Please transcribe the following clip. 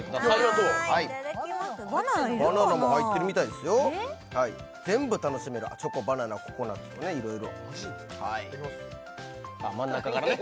バナナも入ってるみたいですよ全部楽しめるチョコバナナココナッツといろいろあっ真ん中からね